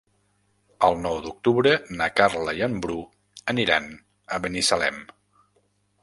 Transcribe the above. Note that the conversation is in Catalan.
El nou d'octubre na Carla i en Bru aniran a Binissalem.